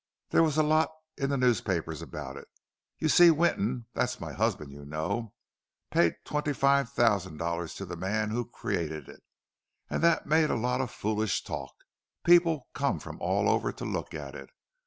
"There was a lot in the newspapers about it. You see Winton—that's my husband, you know—paid twenty five thousand dollars to the man who created it; and that made a lot of foolish talk—people come from all over to look at it.